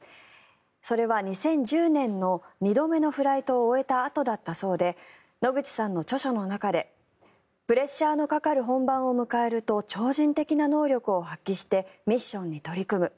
それは２０１０年の２度目のフライトを終えたあとだったそうで野口さんの著書の中でプレッシャーのかかる本番を迎えると超人的な能力を発見してミッションに取り組む。